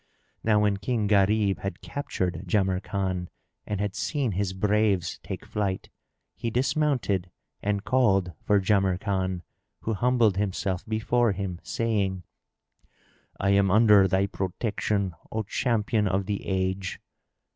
Now when King Gharib had captured Jamrkan and had seen his braves take flight, he dismounted and called for Jamrkan, who humbled himself before him, saying, "I am under thy protection, O champion of the Age!"